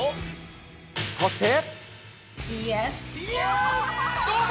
そして。